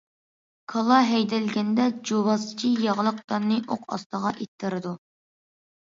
كالا ھەيدەلگەندە جۇۋازچى ياغلىق داننى ئوق ئاستىغا ئىتتىرىدۇ.